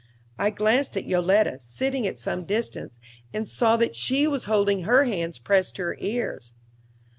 I glanced at Yoletta, sitting at some distance, and saw that she was holding her hands pressed to her ears.